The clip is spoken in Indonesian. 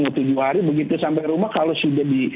mau tujuh hari begitu sampai rumah kalau sudah